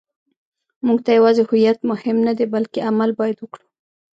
موږ ته یوازې هویت مهم نه دی، بلکې عمل باید وکړو.